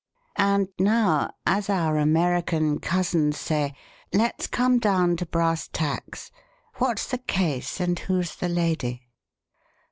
And now, as our American cousins say, 'Let's come down to brass tacks.' What's the case and who's the lady?"